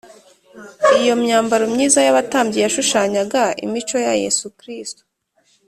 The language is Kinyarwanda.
iyo myambaro myiza y’abatambyi yashushanyaga imico ya yesu kristo